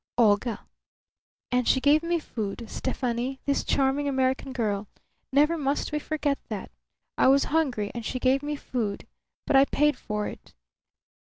Olga!... And she gave me food, Stefani, this charming American girl. Never must we forget that. I was hungry, and she gave me food.... But I paid for it.